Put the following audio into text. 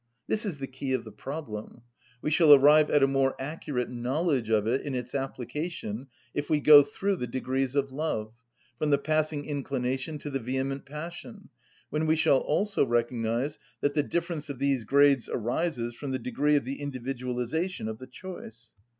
This is the key of the problem: we shall arrive at a more accurate knowledge of it in its application if we go through the degrees of love, from the passing inclination to the vehement passion, when we shall also recognise that the difference of these grades arises from the degree of the individualisation of the choice.